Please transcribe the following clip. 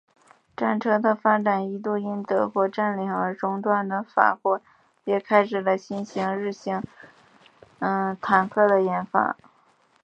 战车的发展一度因德国占领而中断的法国也开始了新型中型坦克的研发。